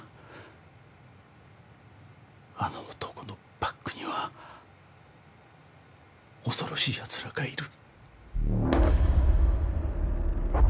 あの男のバックには恐ろしい奴らがいる。